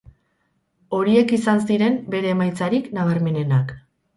Horiek izan ziren bere emaitzarik nabarmenenak.